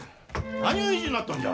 何ゅう意地になっとんじゃ。